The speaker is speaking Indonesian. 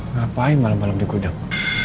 ngapain malam malam di gudang